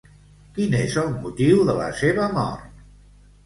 Quin és el motiu de la seva mort?